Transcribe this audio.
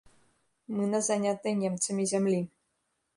Мы на занятай немцамі зямлі.